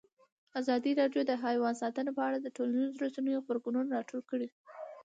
ازادي راډیو د حیوان ساتنه په اړه د ټولنیزو رسنیو غبرګونونه راټول کړي.